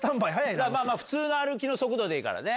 普通の歩きの速度でいいからね。